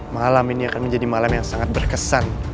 malam ini akan menjadi malam yang sangat berkesan